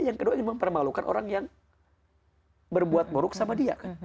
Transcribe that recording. yang kedua ini mempermalukan orang yang berbuat buruk sama dia kan